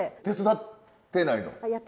手伝ってないの？